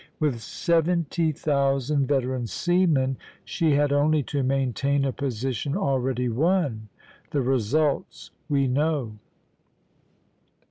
With seventy thousand veteran seamen, she had only to maintain a position already won. The results we know.